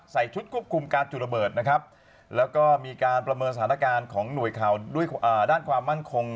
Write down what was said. ใส่ชุดควบคุมการจุดระเบิดนะครับ